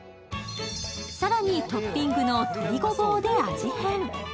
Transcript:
更にトッピングの鶏ごぼうで味変。